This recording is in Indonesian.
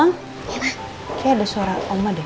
kayaknya ada suara oma deh